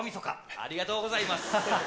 ありがとうございます。